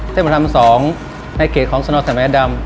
เส้นประทำ๒ในเกตของสนุกสมัยดำ